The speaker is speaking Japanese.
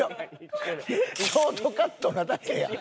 ショートカットなだけやん。